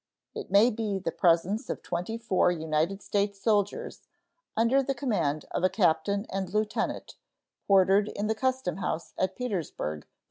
It may be the presence of twenty four United States soldiers, under the command of a captain and lieutenant, quartered in the custom house at Petersburg, Va.